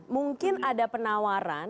mungkin ada penawaran